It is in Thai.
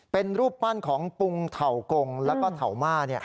เป็นรูปปั้นของปุงเถาโกงและเถามา้